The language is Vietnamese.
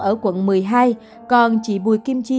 ở quận một mươi hai còn chị bùi kim chi